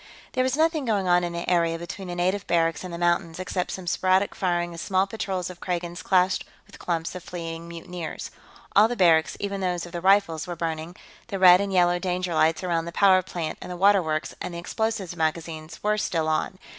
There was nothing going on in the area between the native barracks and the mountains except some sporadic firing as small patrols of Kragans clashed with clumps of fleeing mutineers. All the barracks, even those of the Rifles, were burning; the red and yellow danger lights around the power plant and the water works and the explosives magazines were still on.